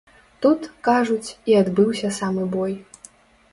Тут, кажуць, і адбыўся самы бой.